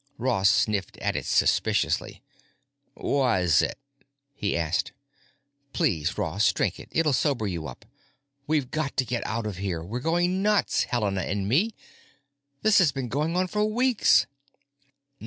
Ross sniffed at it suspiciously. "Wassit?" he asked. "Please, Ross, drink it. It'll sober you up. We've got to get out of here—we're going nuts, Helena and me. This has been going on for weeks!"